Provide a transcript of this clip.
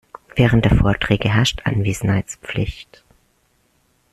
Während der Vorträge herrscht Anwesenheitspflicht.